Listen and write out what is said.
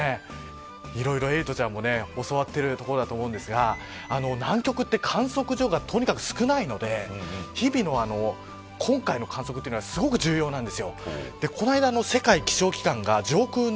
いろいろエイトちゃんも教わっているところだと思うんですが南極は観測所がとにかく少ないので今回の観測はすごく重要なんです。